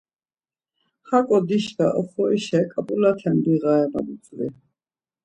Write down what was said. Haǩo dişka oxorişa ǩap̌ulate biğare ma butzvi.